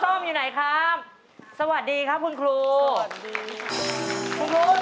ครูต้นส้มอยู่ไหนครับสวัสดีครับคุณครูสวัสดี